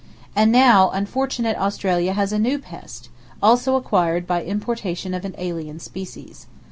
—And now unfortunate Australia has a new pest, also acquired by importation of an alien species.